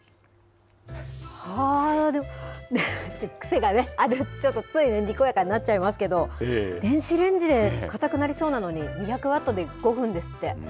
癖がねある、ついにこやかになっちゃいますけど、電子レンジでかたくなりそうなのに、２００ワットで５分ですって。